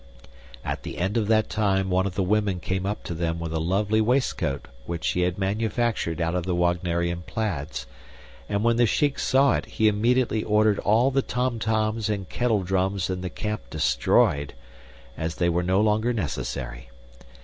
At the end of that time one of the women came op to them with a lovely waistcoat which she had manufactured out of the Wagnerian plaids; and when the Shiek saw it he immediately ordered all the tom toms and kettle drums in the camp destroyed, as they were no longer necessary.